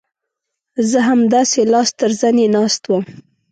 زه همداسې لاس تر زنې ناست وم.